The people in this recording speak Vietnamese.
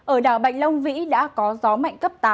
ở đảo bạch long vĩ đã có gió mạnh cấp tám